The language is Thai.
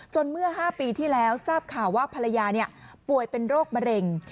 เมื่อ๕ปีที่แล้วทราบข่าวว่าภรรยาป่วยเป็นโรคมะเร็ง